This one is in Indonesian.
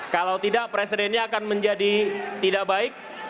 kalau tidak presidennya akan menjadi tidak baik